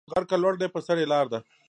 غر که لوړ دی پر سر یې لار ده